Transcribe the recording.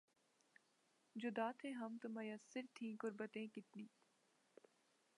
جدا تھے ہم تو میسر تھیں قربتیں کتنی